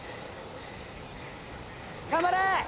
頑張れ！